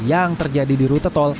yang terjadi di rute tol